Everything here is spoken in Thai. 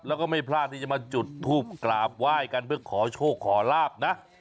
แล้วก็ไม่พลาดที่จะมาจุดทูปกราบไหว้กันเพื่อขอโชคขอลาบนะ